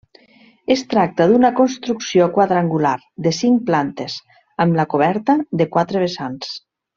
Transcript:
Es tracta d'una construcció quadrangular, de cinc plantes, amb la coberta de quatre vessants.